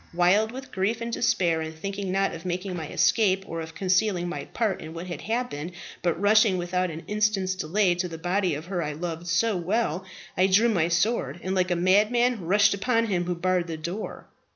Wild with grief and despair, and thinking, not of making my escape, or of concealing my part in what had happened, but rushing without an instant's delay to the body of her I loved so well, I drew my sword, and like a madman rushed upon him who barred the door.